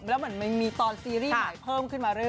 แล้วเหมือนมันมีตอนซีรีส์ใหม่เพิ่มขึ้นมาเรื่อย